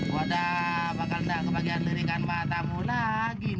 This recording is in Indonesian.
wadah bakal ndak kebagian dirikan matamu lagi nih